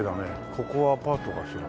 ここはアパートかしら？